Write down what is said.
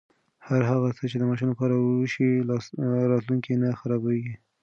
هره هڅه چې د ماشوم لپاره وشي، راتلونکی نه خرابېږي.